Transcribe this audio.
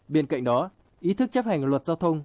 bên cạnh đó ý thức chấp hành luật giao thông